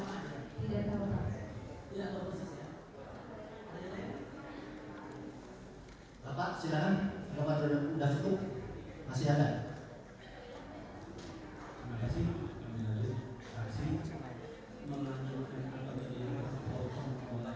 saya melakukan pekerjaan saya yang berhubungan dengan media sosial tapi ini saya diperintah oleh media saksama